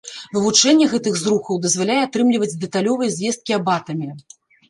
Вывучэнне гэтых зрухаў дазваляе атрымліваць дэталёвыя звесткі аб атаме.